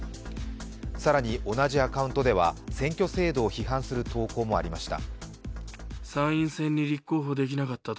更に、同じアカウントでは選挙制度を批判する投稿もありました。